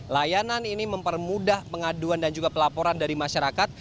layanan ini mempermudah pengaduan dan juga pelaporan dari masyarakat